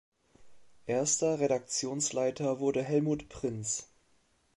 Erster Redaktionsleiter wurde Hellmut Prinz.